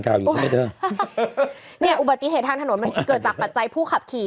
เนี่ยอุบัติเหตุทางถนนมันเกิดจากปัจจัยผู้ขับขี่